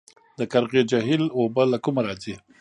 د قرغې جهیل اوبه له کومه راځي؟